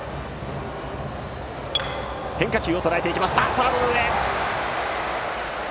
サードの上！